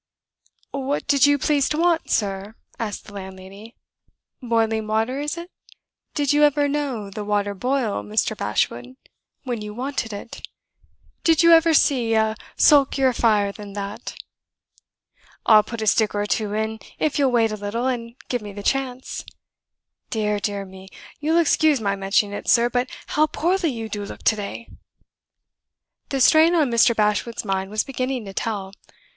"What did you please to want, sir?" asked the landlady. "Boiling water, is it? Did you ever know the water boil, Mr. Bashwood, when you wanted it? Did you ever see a sulkier fire than that? I'll put a stick or two in, if you'll wait a little, and give me the chance. Dear, dear me, you'll excuse my mentioning it, sir, but how poorly you do look to day!" The strain on Mr. Bashwood's mind was beginning to tell.